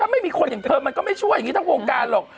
ไม่มีคนอย่างเธอมันก็ไม่ช่วยอย่างนี้ทั้งวงการหรอก